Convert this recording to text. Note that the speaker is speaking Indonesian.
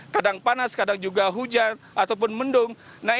kadang panas kadang juga hujan ataupun mendung